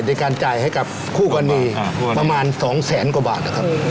ในการจ่ายให้กับคู่กรณีประมาณ๒แสนกว่าบาทนะครับ